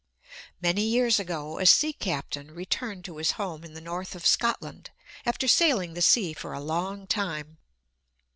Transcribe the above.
Many years ago a sea captain returned to his home in the north of Scotland, after sailing the sea for a long time.